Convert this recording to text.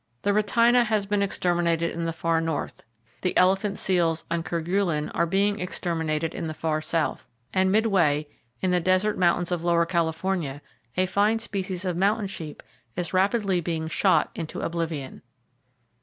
The rhytina has been exterminated in the far north, the elephant seals on Kerguelen are being exterminated in the far south, and midway, in the desert mountains of Lower California a fine species of mountain sheep is rapidly being shot into oblivion.